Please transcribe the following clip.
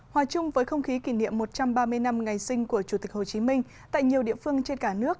hòa chung với không khí kỷ niệm một trăm ba mươi năm ngày sinh của chủ tịch hồ chí minh tại nhiều địa phương trên cả nước